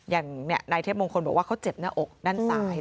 อย่างนายเทพมงคลบอกว่าเขาเจ็บหน้าอกด้านซ้าย